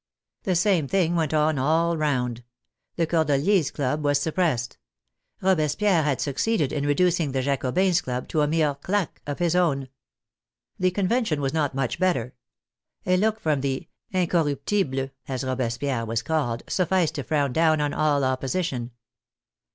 The same thing went on all round. The Cordeliers' Club was suppressed. Robespierre had succeeded in reducing the Jacobins' Club to a mere claque of his own. The Convention was not much better. A look from the " Incorruptible " (as Robespierre was called) sufficed to frown down all op position.